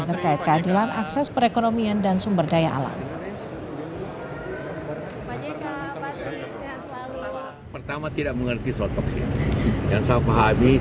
terkait keadilan akses perekonomian dan sumber daya alam